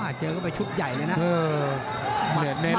มาถึงตรงนี้ก็รับไปเยอะพอสมควรนะครับ